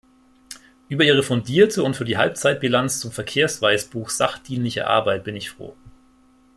Über Ihre fundierte und für die Halbzeitbilanz zum Verkehrsweißbuch sachdienliche Arbeit bin ich froh.